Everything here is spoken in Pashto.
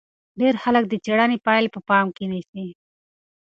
ډېر خلک د څېړنې پایلې په پام کې نیسي.